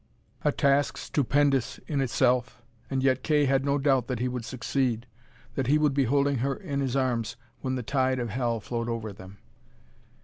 A task stupendous in itself, and yet Kay had no doubt that he would succeed, that he would be holding her in his arms when the tide of hell flowed over them.